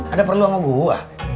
ada perlu sama gua